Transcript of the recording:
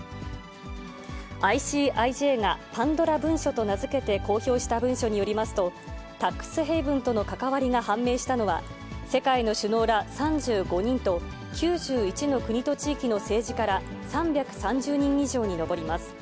ＩＣＩＪがパンドラ文書と名付けて公表した文書によりますと、タックスヘイブンとの関わりが判明したのは、世界の首脳ら３５人と、９１の国と地域の政治家ら３３０人以上に上ります。